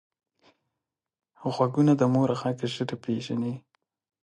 غوږونه د مور غږ ژر پېژني